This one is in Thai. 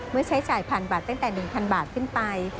เมื่อใช้จ่าย๑๐๐๐บาทตั้งแต่๑๐๐๐บาทขึ้นไป